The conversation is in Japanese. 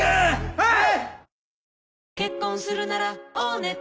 はい！